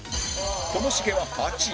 ともしげは８位